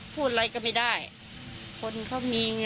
เกิดว่าจะต้องมาตั้งโรงพยาบาลสนามตรงนี้